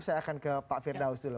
saya akan ke pak firdaus dulu